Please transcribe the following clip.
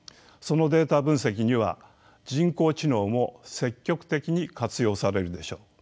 そのデータ分析には人工知能も積極的に活用されるでしょう。